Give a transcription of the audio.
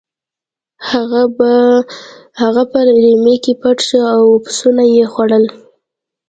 هغه په رمې کې پټ شو او پسونه یې خوړل.